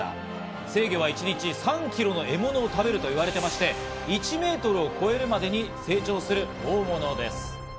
成魚は一日３キロの獲物を食べると言われてまして、１メートルを超えるまでに成長する大物です。